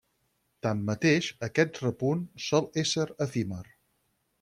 Tanmateix, aquest repunt sol ésser efímer.